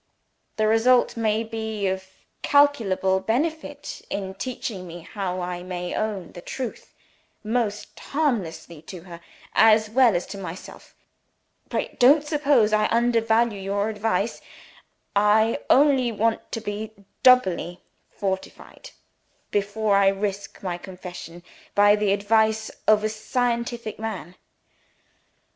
The result may be of incalculable benefit in teaching me how I may own the truth, most harmlessly to her, as well as to myself. Pray don't suppose I undervalue your advice. I only want to be doubly fortified, before I risk my confession, by the advice of a scientific man."